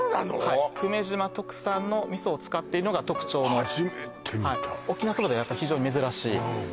はい久米島特産の味噌を使っているのが特徴の初めて見た沖縄そばではやっぱ非常に珍しいです